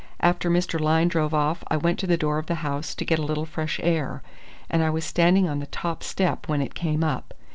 After Mr. Lyne drove off I went to the door of the house to get a little fresh air, and I was standing on the top step when it came up.